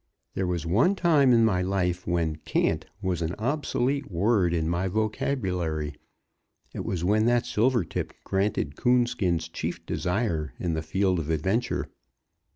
There was one time in my life when "can't" was an obsolete word in my vocabulary. It was when that silvertip granted Coonskin's chief desire in the field of adventure.